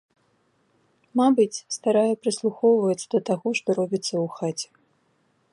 Мабыць, старая прыслухоўваецца да таго, што робіцца ў хаце.